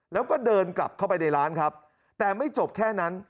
แล้วก็เดินกลับเข้าไปในร้านครับแต่ไม่จบแค่นั้น